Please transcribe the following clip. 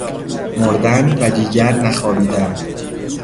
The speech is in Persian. مردن و دیگر نخوابیدن!